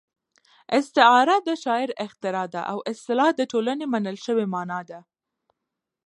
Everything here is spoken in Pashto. استعاره د شاعر اختراع ده او اصطلاح د ټولنې منل شوې مانا ده